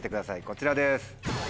こちらです。